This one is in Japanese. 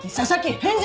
返事！